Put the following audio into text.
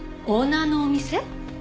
オーナーのお店？